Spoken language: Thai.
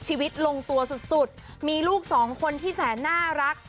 ชีวิตลงตัวสุดมีลูกสองคนที่แสนน่ารัก